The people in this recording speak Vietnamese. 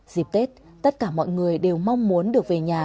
dịp tết tất cả mọi người đều mong muốn được về nhà